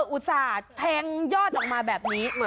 อุตส่าห์แทงยอดออกมาแบบนี้